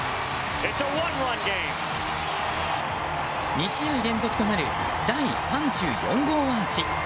２試合連続となる第３４号アーチ！